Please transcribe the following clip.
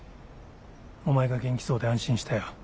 お前が元気そうで安心したよ。